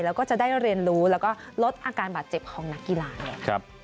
แล้วก็จะได้เรียนรู้แล้วก็ลดอาการบาดเจ็บของนักกีฬาเนี่ย